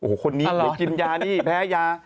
โอ้โหคนนี้เลยกินยานี่แพ้ยา